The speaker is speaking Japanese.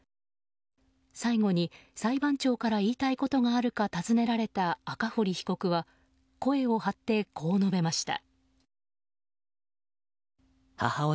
最後に裁判長から言いたいことがあるか尋ねられた赤堀被告は声を張ってこう述べました。